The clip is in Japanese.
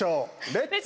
レッツ！